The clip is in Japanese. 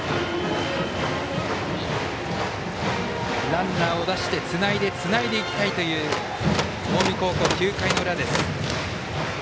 ランナーを出してつないでつないでいきたいという近江高校、９回の裏です。